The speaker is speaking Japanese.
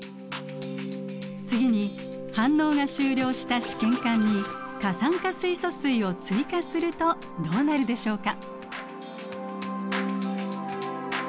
次に反応が終了した試験管に過酸化水素水を追加するとどうなるでしょうか？